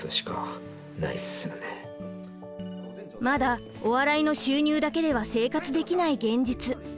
まだお笑いの収入だけでは生活できない現実。